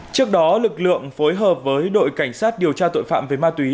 trước đó lực lượng phối hợp với đội cảnh sát điều tra tội phạm về ma túy